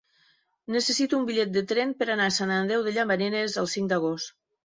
Necessito un bitllet de tren per anar a Sant Andreu de Llavaneres el cinc d'agost.